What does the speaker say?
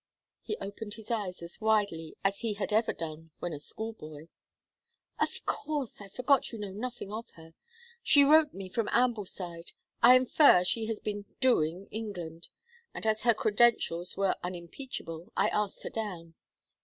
He opened his eyes as widely as he had ever done when a school boy. "Of course I forgot you know nothing of her. She wrote me from Ambleside I infer she has been 'doing' England; and as her credentials were unimpeachable I asked her down.